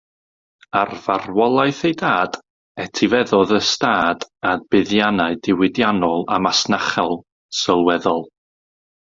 Ar farwolaeth ei dad, etifeddodd ystâd a buddiannau diwydiannol a masnachol sylweddol.